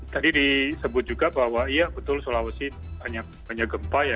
tadi disebut juga bahwa iya betul sulawesi banyak gempa ya